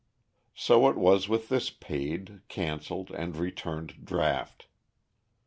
So it was with this paid, canceled, and returned draft.